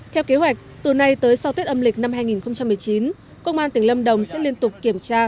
theo kế hoạch từ nay tới sau tết âm lịch năm hai nghìn một mươi chín công an tỉnh lâm đồng sẽ liên tục kiểm tra